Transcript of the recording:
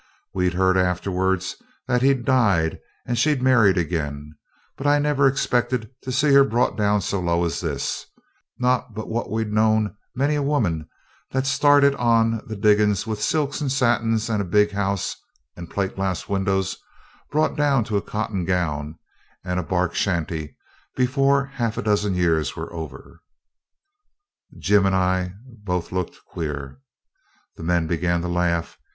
We'd heard afterwards that he'd died and she'd married again; but I never expected to see her brought down so low as this not but what we'd known many a woman that started on the diggings with silks and satins and a big house and plate glass windows brought down to a cotton gown and a bark shanty before half a dozen years were over. Jim and I both looked queer. The men began to laugh.